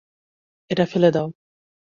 এটা ফেলে দাও।